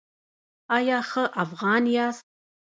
ایا ښه افغان یاست؟